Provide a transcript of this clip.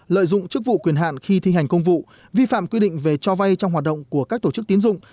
lợi dụng chức vụ quyền hạn khi thi hành công vụ vi phạm quy định về cho vay trong hoạt động của các tổ chức tiến dụng